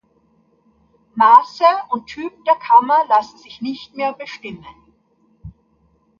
Maße und Typ der Kammer lassen sich nicht mehr bestimmen.